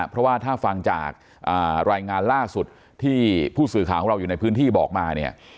เพราะว่าถ้าฟังจากรายงานล่าสุดที่ผู้สื่อข่าวของเราอยู่ในพื้นที่บอกมาเนี่ย